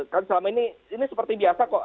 kan selama ini ini seperti biasa kok